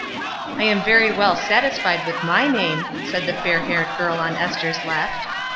"I am very well satisfied with my name," said the fair haired prl on Esther's left.